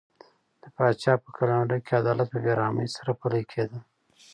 د پاچا په قلمرو کې عدالت په بې رحمۍ سره پلی کېده.